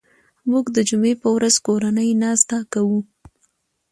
موږ د جمعې په ورځ کورنۍ ناسته کوو